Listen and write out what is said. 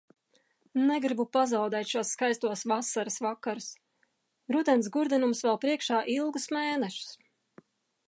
Negribu pazaudēt šos skaistos vasaras vakarus. Rudens gurdenums vēl priekšā ilgus mēnešus.